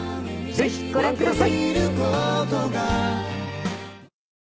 ぜひご覧ください。